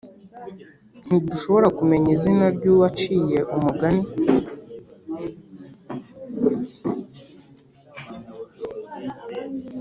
ntidushobora kumenya izina ry’uwaciye umugani